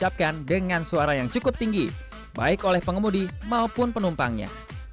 jadi kita harus mencoba untuk mencapai suara yang cukup tinggi baik oleh pengemudi maupun penumpangnya